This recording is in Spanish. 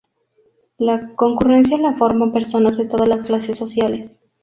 La concurrencia la forman personas de todas las clases sociales.